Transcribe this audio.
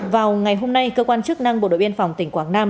vào ngày hôm nay cơ quan chức năng bộ đội biên phòng tỉnh quảng nam